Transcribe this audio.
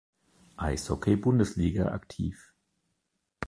Eishockey-Bundesliga aktiv.